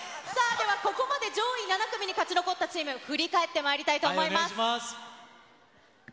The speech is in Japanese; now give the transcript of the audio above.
ではここまで上位７組に勝ち残ったチーム、振り返ってまいりたいと思います。